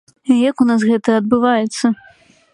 Як у нас гэта адбываецца.